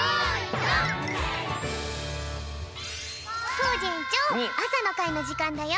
コージえんちょうあさのかいのじかんだよ。